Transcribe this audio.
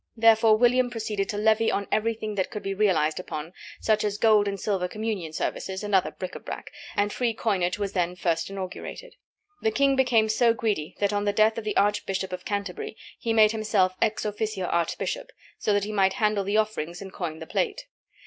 Therefore William proceeded to levy on everything that could be realized upon, such as gold and silver communion services and other bric à brac, and free coinage was then first inaugurated. The king became so greedy that on the death of the Archbishop of Canterbury he made himself ex officio archbishop, so that he might handle the offerings and coin the plate.